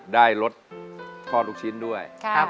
ได้ลดข้อลูกชิ้นด้วย